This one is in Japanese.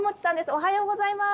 おはようございます。